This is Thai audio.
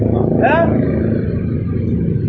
หรือ